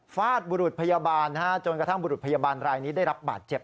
ฟาดบุรุษพยาบาลจนกระทั่งบุรุษพยาบาลรายนี้ได้รับบาดเจ็บ